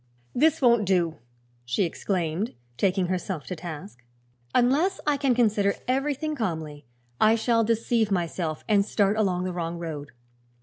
"This won't do!" she exclaimed, taking herself to task. "Unless I can consider everything calmly I shall deceive myself and start along the wrong road."